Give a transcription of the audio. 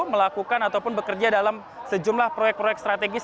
melakukan ataupun bekerja dalam sejumlah proyek proyek strategis